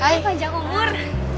hai panjang umur